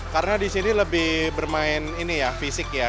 karena disini lebih bermain ini ya fisik ya